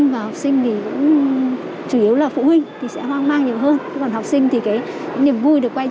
vẫn là câu hỏi khó có lời giải